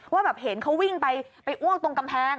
ว่าแบบเห็นเขาวิ่งไปอ้วกตรงกำแพง